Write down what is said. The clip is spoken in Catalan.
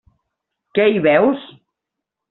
Què hi veus?